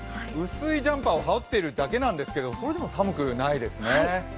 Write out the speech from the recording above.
薄いジャンパーを羽織ってるだけなんですけどそれでも寒くないですね。